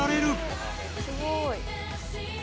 えすごい！